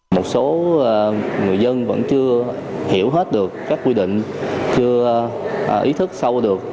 một số người dân vẫn chưa hiểu hết được các quy định chưa ý thức sâu được